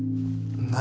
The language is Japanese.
何。